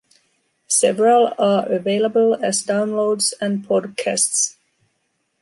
Several are available as downloads and podcasts.